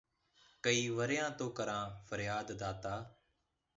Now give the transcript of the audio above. ਕਈ ਵਰ੍ਹਿਆਂ ਤੋਂ ਕਰਾਂ ਫ਼ਰਿਆਦ ਦਾਤਾ